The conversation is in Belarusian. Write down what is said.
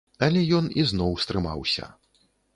Але ён ізноў стрымаўся.